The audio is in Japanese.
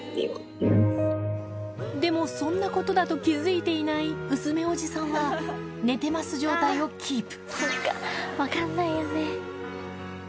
でも、そんなことだと気付いていない薄目おじさんは、寝てます状態をキープ。